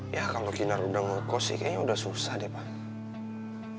ya kalau kinar udah ngekos sih kayaknya udah susah deh pak